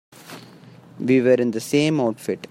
We were in the same outfit.